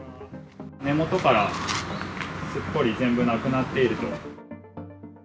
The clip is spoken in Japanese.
根元からすっぽり全部なくなっていると。